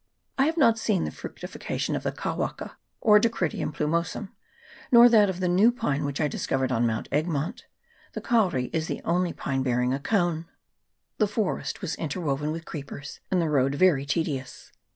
I have not seen the fructi fication of the kawaka, or Dacrydium plumosum, nor that of the new pine which I discovered on Mount Egmont. The kauri is the only pine bear ing a cone. The forest was interwoven with creepers, and the road very tedious.